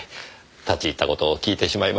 立ち入った事を訊いてしまいました。